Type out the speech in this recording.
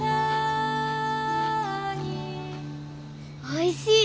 おいしい。